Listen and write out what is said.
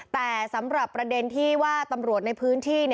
แต่สำหรับประเด็นที่ว่าตำรวจในพื้นที่